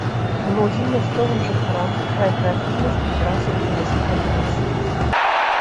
Многім мясцовым жыхарам такая крэатыўнасць адразу не спадабалася.